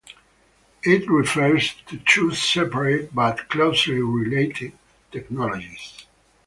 It refers to two separate, but closely related, technologies.